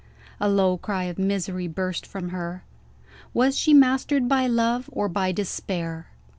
A low cry of misery burst from her. Was she mastered by love, or by despair?